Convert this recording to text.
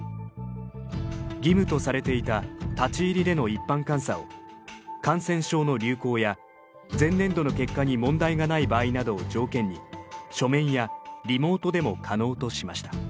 義務とされていた立ち入りでの一般監査を感染症の流行や前年度の結果に問題がない場合などを条件に書面やリモートでも可能としました。